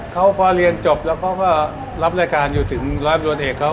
เขาพอเรียนจบแล้วเขาก็รับรายการอยู่ถึงร้อยยนเอกเขา